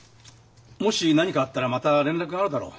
もし何かあったらまた連絡があるだろう。